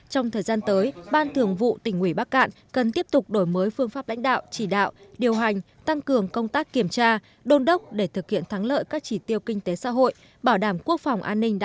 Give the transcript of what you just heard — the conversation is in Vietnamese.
trong thời gian tới ban thường vụ tỉnh ủy bắc cạn cần tiếp tục đổi mới phương pháp lãnh đạo chỉ đạo điều hành tăng cường công tác kiểm tra đôn đốc để thực hiện thắng lợi các chỉ tiêu kinh tế xã hội bảo đảm quốc phòng an ninh